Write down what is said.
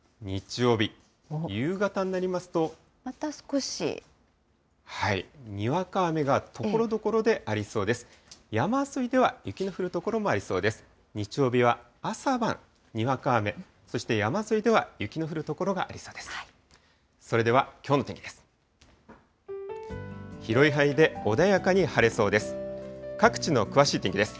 日曜日は朝晩、にわか雨、そして山沿いでは雪の降る所がありそうです。